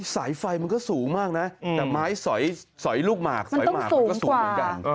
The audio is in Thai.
สายไฟมันก็สูงมากนะแต่ไม้สอยลูกหมากสอยหมากมันก็สูงเหมือนกัน